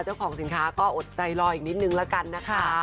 เจ้าของสินค้าก็อดใจรออีกนิดนึงละกันนะคะ